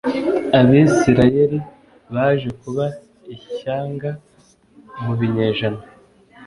Abisirayeli baje kuba ishyanga mu binyejana